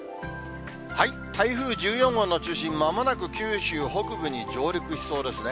台風１４号の中心、まもなく九州北部に上陸しそうですね。